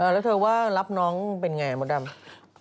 แล้วเธอว่ารับน้องเป็นไงมดดำ